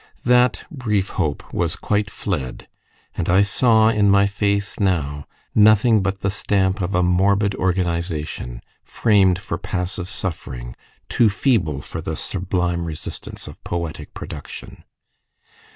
That brief hope was quite fled, and I saw in my face now nothing but the stamp of a morbid organization, framed for passive suffering too feeble for the sublime resistance of poetic production.